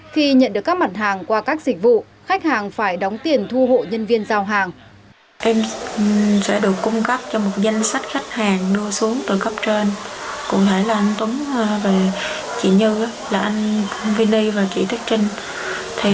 khi nhận được các mặt hàng qua các dịch vụ khách hàng phải đóng tiền thu hộ nhân viên giao hàng